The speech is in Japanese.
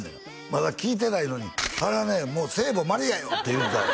まだ聞いてないのに「あれはねもう聖母マリアよ」って言うたよ